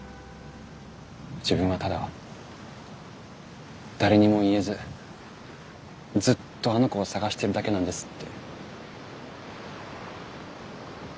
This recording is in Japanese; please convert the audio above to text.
自分はただ誰にも言えずずっとあの子を捜しているだけなんです」って。